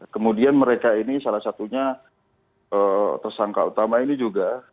kemudian mereka ini salah satunya tersangka utama ini juga